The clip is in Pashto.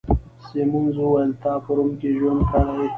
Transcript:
سیمونز وویل: تا په روم کي ژوند کړی؟